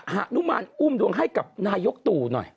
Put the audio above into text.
หานุมานอุ้มดวงให้กับนายกตู่หน่อย